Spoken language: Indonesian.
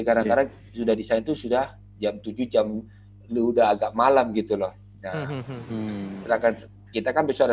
kadang kadang sudah disain tuh sudah jam tujuh jam udah agak malem gitu loh kita kan besok ada